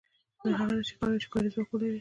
نو هغه نشي کولای چې کاري ځواک ولري